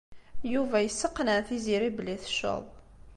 Yuba yesseqneɛ Tiziri belli tecceḍ.